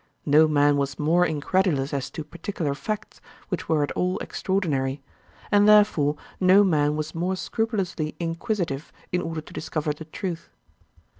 No man was more incredulous as to particular facts, which were at all extraordinary; and therefore no man was more scrupulously inquisitive, in order to discover the truth.